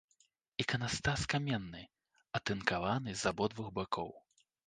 Іканастас каменны, атынкаваны з абодвух бакоў.